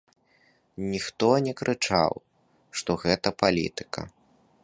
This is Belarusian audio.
І ніхто не крычаў, што гэта палітыка.